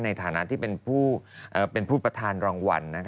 ในฐานะที่เป็นผู้ประธานรางวัล